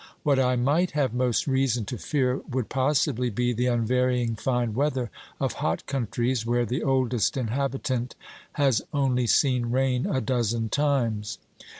What I might have most reason to fear would possibly be the unvarying fine weather of hot countries, where the oldest inhabitant has only seen rain a dozen times.